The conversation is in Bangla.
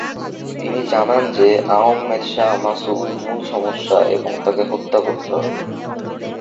তিনি জানান যে আহমেদ শাহ মাসুদ মূল সমস্যা এবং তাকে হত্যা করতে হবে।